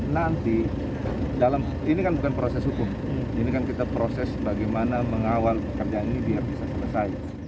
nanti ini kan bukan proses hukum ini kan kita proses bagaimana mengawal pekerjaan ini biar bisa selesai